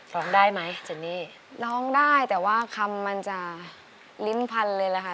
ร้องได้ไหมเจนนี่ร้องได้แต่ว่าคำมันจะลิ้นพันเลยล่ะค่ะ